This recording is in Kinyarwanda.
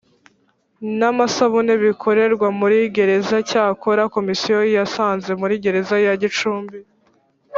n amasabune bikorerwa muri gereza Cyakora Komisiyo yasanze muri gereza ya Gicumbi